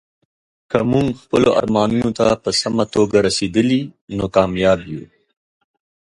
که موږ خپلو ارمانونو ته په سمه توګه رسیدلي، نو کامیاب یو.